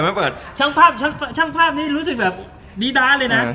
ช่างภาพช่างภาพช่างภาพนี่รู้สึกแบบดีดาเลยน่ะอือ